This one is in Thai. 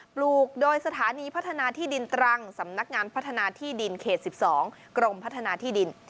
ปลูกโดยสถานีพัฒนาที่ดินตรังสำนักงานพัฒนาที่ดินเขต๑๒กรมพัฒนาที่ดิน